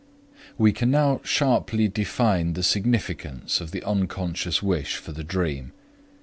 We can now sharply define the significance of the unconscious wish for the dream.